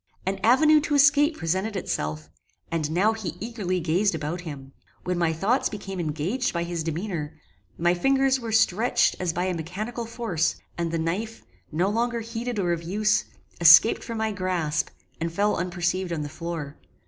An avenue to escape presented itself; and now he eagerly gazed about him: when my thoughts became engaged by his demeanour, my fingers were stretched as by a mechanical force, and the knife, no longer heeded or of use, escaped from my grasp, and fell unperceived on the floor.